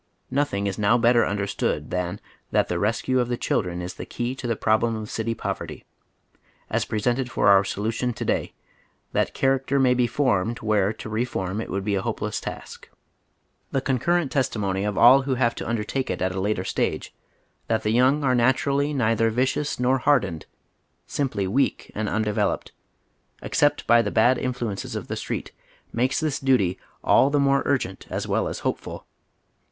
Nothing ie now better understood than tliat the rescue of the children is the key to the problem of city poverty, as presented for our solution to day ; that character may be formed where to reform it would be a hopeless task. oy Google 186 HOW THE OTHER HALF LIVES. The concurrent testimony of all who liave to undertake it at a later stage : that the young are naturally neither vi cious nor hardened, simply weak and undeveloped, except by the bad influences of the street, makes this duty all the more urgent as well as hopeful.